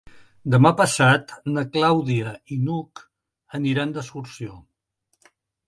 Demà passat na Clàudia i n'Hug aniran d'excursió.